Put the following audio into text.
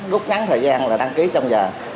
lúc ngắn thời gian là đăng ký trong giờ